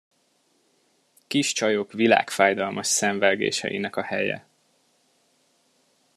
Kis csajok világfájdalmas szenvelgéseinek a helye.